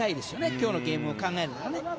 今日のゲームを考えるならね。